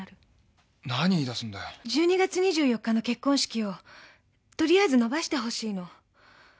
１２月２４日の結婚式をとりあえず延ばしてほしいの。